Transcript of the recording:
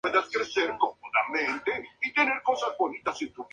En pocos meses se formó un equipo dispuesto a trabajar para construir la organización.